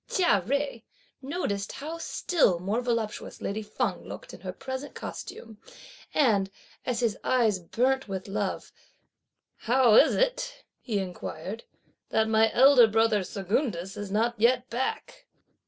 Chia Jui noticed how still more voluptuous lady Feng looked in her present costume, and, as his eyes burnt with love, "How is it," he inquired, "that my elder brother Secundus is not yet back?"